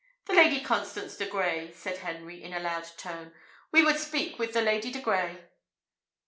"The Lady Constance de Grey!" said Henry, in a loud tone: "we would speak with the Lady de Grey."